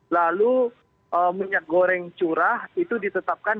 lalu minyak goreng curah itu ditetapkan